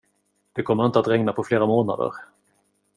Det kommer inte att regna på flera månader.